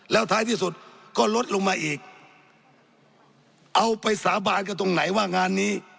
แล้วท้ายที่สุดก็ลดลงมาอีกเอาไปสาบานกันตรงไหนว่างานนี้